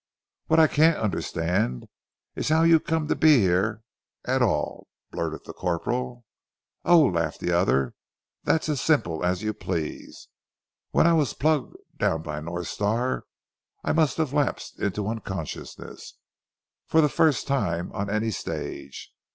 "What I can't understand is how you come to be here at all," blurted the corporal. "Oh," laughed the other, "that's as simple as you please. When I was plugged down by North Star, I must have lapsed into unconsciousness for the first time on any stage.